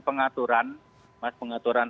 pengaturan mas pengaturan